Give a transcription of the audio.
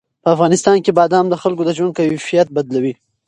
په افغانستان کې بادام د خلکو د ژوند کیفیت بدلوي.